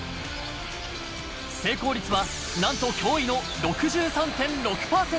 成功率はなんと驚異の６３．６％。